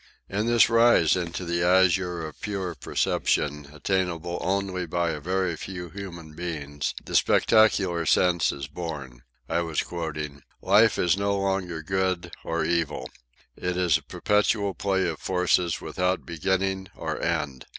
"'In this rise into the azure of pure perception, attainable only by a very few human beings, the spectacular sense is born,'." I was quoting. "'Life is no longer good or evil. It is a perpetual play of forces without beginning or end.